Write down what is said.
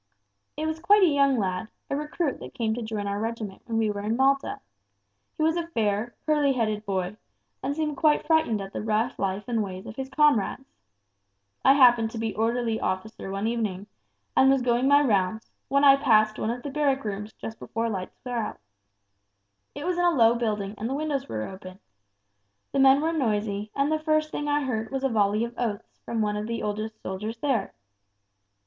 "It was quite a young lad, a recruit that came to join our regiment when we were in Malta. He was a fair, curly headed boy, and seemed quite frightened at the rough life and ways of his comrades. I happened to be orderly officer one evening, and was going my rounds, when I passed one of the barrack rooms just before lights were out. It was in a low building and the windows were open. The men were noisy, and the first thing I heard was a volley of oaths from one of the oldest soldiers there.